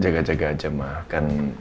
jaga jaga aja makan